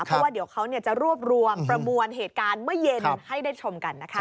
เพราะว่าเดี๋ยวเขาจะรวบรวมประมวลเหตุการณ์เมื่อเย็นให้ได้ชมกันนะคะ